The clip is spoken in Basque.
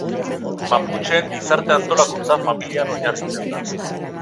Maputxeen gizarte antolakuntza familian oinarritzen da.